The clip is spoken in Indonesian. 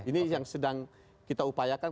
ini yang sedang kita upayakan